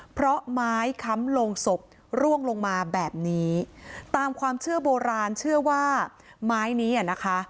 เพราะไม้ค้ำลงศพร่วงลงมาแบบนี้ตามความเชื่อโบราณเชื่อว่าไม้นี้อ่ะนะคะ